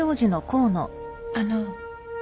あの。